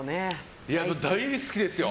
大好きですよ。